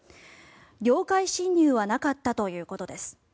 領海侵入はなかったということです。